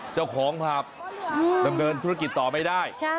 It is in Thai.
เจ้าของผัพเบิร์นธุรกิจต่อไม่ได้